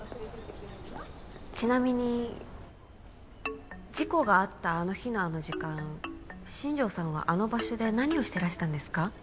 ちなみに事故があったあの日のあの時間新庄さんはあの場所で何をしてらしたんですか？